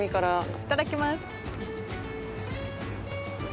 いただきます。